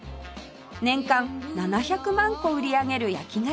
年間７００万個売り上げる焼き菓子です